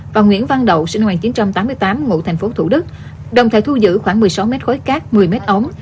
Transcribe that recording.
và nguyễn văn đậu sinh năm một nghìn chín trăm tám mươi tám ngụ thành phố thủ đức đồng thời thu giữ khoảng một mươi sáu mét khối cát một mươi mét ống